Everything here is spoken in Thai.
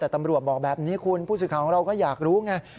แต่ตำรวจบอกแบบนี้คุณผู้สื่อข่าวของเราก็อยากรู้ไง